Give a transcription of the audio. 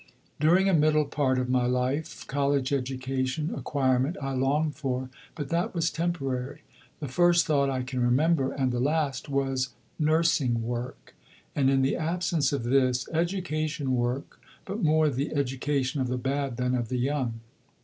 During a middle part of my life, college education, acquirement, I longed for, but that was temporary. The first thought I can remember, and the last, was nursing work; and in the absence of this, education work, but more the education of the bad than of the young.